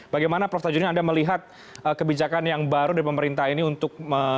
bagaimana prof tajudin anda melihat kebijakan yang baru dari pemerintah ini untuk